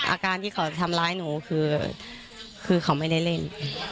อาการที่เขาจะทำร้ายหนูคือเขาไม่ได้เล่น